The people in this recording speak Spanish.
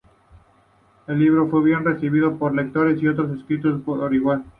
El libro fue bien recibido por lectores y otros escritores por igual.